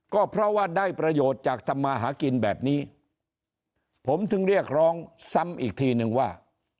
ก็เพราะว่าได้ประโยชน์จากทำมาหากินแบบนี้ผมถึงเรียกร้องซ้ำอีกทีนึงว่า